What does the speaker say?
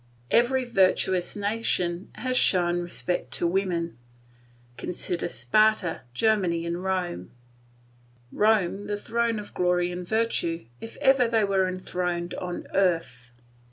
Every virtuous nation has shown respect to women. Consider Sparta, Germany, and Rome; Rome the throne of glory and virtue, if ever they were enthroned on earth.